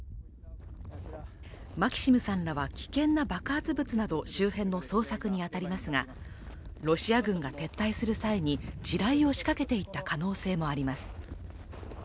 マキシムさんらは危険な爆発物など周辺の捜索に当たりますがロシア軍が撤退する際に地雷を仕掛けていった可能性もあります。